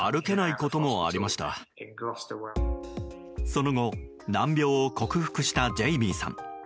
その後、難病を克服したジェイミーさん。